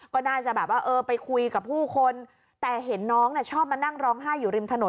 ก็น่าจะแบบว่าเออไปคุยกับผู้คนแต่เห็นน้องชอบมานั่งร้องไห้อยู่ริมถนน